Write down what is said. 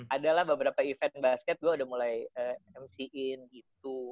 adalah beberapa event basket gue udah mulai mc in gitu